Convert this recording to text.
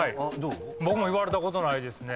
僕も言われたことないですね。